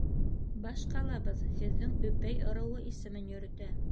Баш ҡалабыҙ һеҙҙең Өпәй ырыуы исемен йөрөтә.